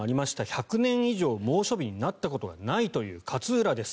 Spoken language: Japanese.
１００年以上猛暑日になったことがないという勝浦です。